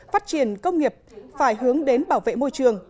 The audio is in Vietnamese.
phát triển công nghiệp phải hướng đến bảo vệ môi trường